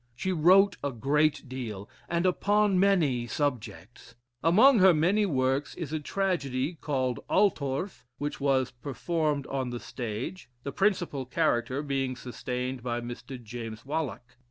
She wrote a great deal, and upon many subjects. Among her many works is a tragedy called "Altorf," which was performed on the stage, the principal character being sustained by Mr. James Wallack.